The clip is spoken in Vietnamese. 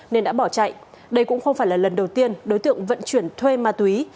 nên đã bỏ chạy đây cũng không phải là lần đầu tiên đối tượng vận chuyển thuê ma túy